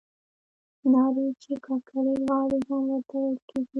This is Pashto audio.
نارې چې کاکړۍ غاړې هم ورته ویل کیږي.